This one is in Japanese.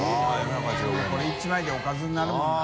これ１枚でおかずになるもんな。